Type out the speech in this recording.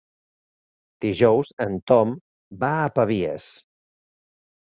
Dijous en Tom va a Pavies.